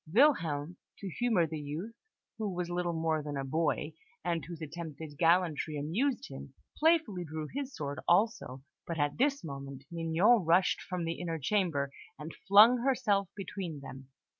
Wilhelm, to humour the youth, who was little more than a boy, and whose attempted gallantry amused him, playfully drew his sword also; but at this moment, Mignon rushed from the inner chamber, and flung herself between them.